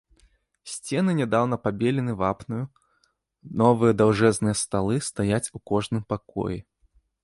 Сцены нядаўна пабелены вапнаю, новыя даўжэзныя сталы стаяць у кожным пакоі.